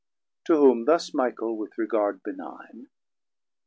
To whom thus Michael with regard benigne.